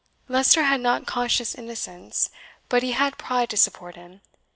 Leicester had not conscious innocence, but he had pride to support him.